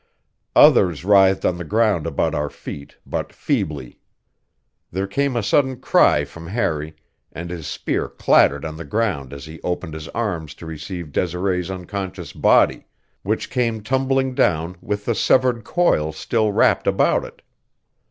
Others writhed on the ground about our feet, but feebly. There came a sudden cry from Harry, and his spear clattered on the ground as he opened his arms to receive Desiree's unconscious body, which came tumbling down with the severed coil still wrapped about it.